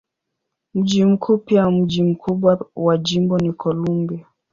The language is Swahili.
Mji mkuu pia mji mkubwa wa jimbo ni Columbia.